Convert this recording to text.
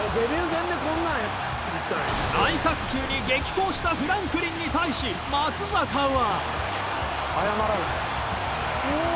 内角球に激昂したフランクリンに対し松坂は。